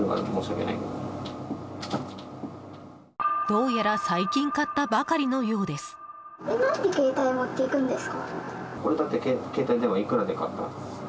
どうやら最近買ったばかりのようです。